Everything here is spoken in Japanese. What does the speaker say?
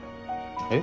えっ？